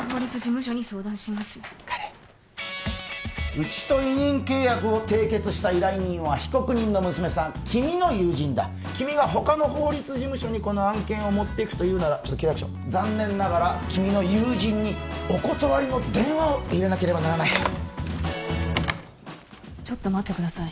うちと委任契約を締結した依頼人は被告人の娘さん君の友人だ君が他の法律事務所にこの案件を持っていくというならちょっと契約書残念ながら君の友人にお断りの電話を入れなければならないちょっと待ってください